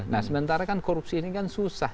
nah sementara kan korupsi ini kan susah